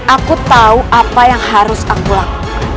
aku tahu apa yang harus aku lakukan